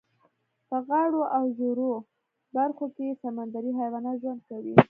په غاړو او ژورو برخو کې یې سمندري حیوانات ژوند کوي.